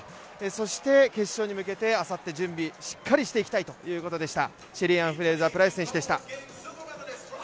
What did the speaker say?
そして、決勝に向けてあさって、準備をしっかりしていきたいという話でしたシェリーアン・フレイザー・プライス選手でした。